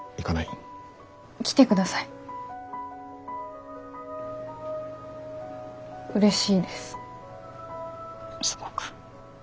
うれしいですすごく。